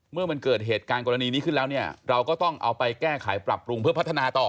เมื่อมันเกิดเหตุการณ์กรณีนี้ขึ้นแล้วเนี่ยเราก็ต้องเอาไปแก้ไขปรับปรุงเพื่อพัฒนาต่อ